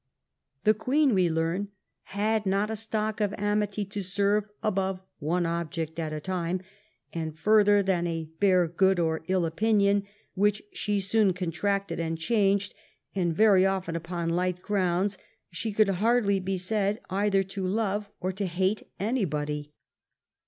The Queen, we learn, " had not a stock of amity to serve above one object at a time; and 874 JONATHAN SWIFT'S VIEWS further than a bare good or ill opinion, which she soon contracted and changed, and very often upon light grounds, she could hardly be said either to love or to hate anybody."